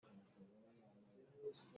Hla an sak lio ah, i hel bu tein an laam.